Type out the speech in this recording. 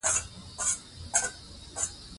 زه باید دا ټوټه هلته کېږدم.